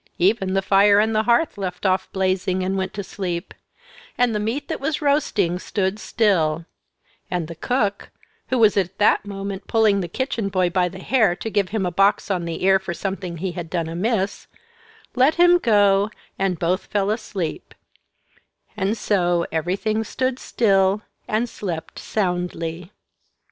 Even the fire on the hearth left off blazing, and went to sleep; and the meat that was roasting stood still; and the cook, who was at that moment pulling the kitchen boy by the hair to give him a box on the ear for something he had done amiss, let him go, and both fell asleep; and so everything stood still, and slept soundly.